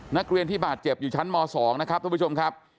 นักเรียนที่บาดเจ็บอยู่ชั้นม๒นะครับท่านผู้ชมครับ